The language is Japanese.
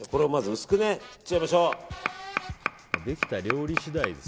薄く切っちゃいましょう！